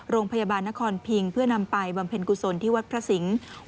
โรงพยาบาลนครพิงเพื่อนำไปบำเพ็ญกุศลที่วัดพระสิงศ์